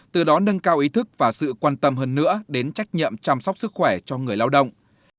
từ đó nâng cao ý thức và sự quan tâm hơn nữa đến trách nhiệm chăm sóc sức khỏe cho người lao động